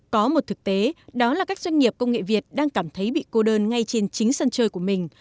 có một thực tế đó là các doanh nghiệp công nghệ việt đang cảm thấy bị cô đơn ngay trên chính sân chơi của mình